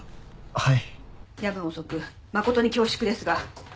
はい？